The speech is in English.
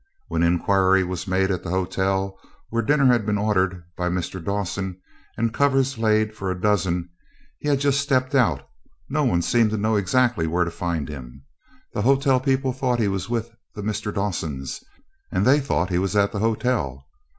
When inquiry was made at the hotel, where dinner had been ordered by Mr. Dawson and covers laid for a dozen, he had just stepped out. No one seemed to know exactly where to find him. The hotel people thought he was with the Mr. Dawsons, and they thought he was at the hotel.